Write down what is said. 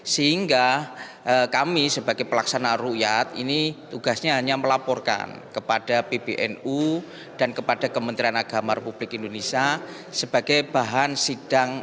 sehingga kami sebagai pelaksana rukyat ini tugasnya hanya melaporkan kepada pbnu dan kepada kementerian agama republik indonesia sebagai bahan sidang